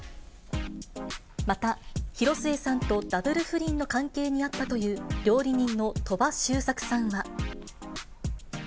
また、広末さんとダブル不倫の関係にあったという、料理人の鳥羽周作さんは。